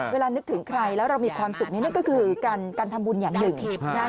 นึกถึงใครแล้วเรามีความสุขนี่ก็คือการทำบุญอย่างหนึ่ง